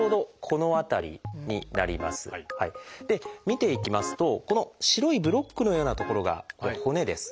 見ていきますとこの白いブロックのようなところが骨です。